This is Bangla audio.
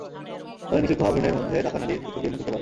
ফলে নিষিক্ত হওয়া ভ্রূণের মধ্যে দাতা নারীর কিছু ডিএনএ ঢুকে পড়ে।